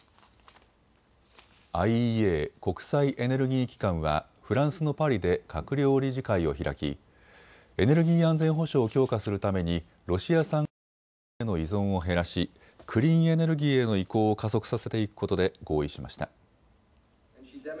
ＩＥＡ・国際エネルギー機関はフランスのパリで閣僚理事会を開き、エネルギー安全保障を強化するためにロシア産エネルギーへの依存を減らしクリーンエネルギーへの移行を加速させていくことで合意しました。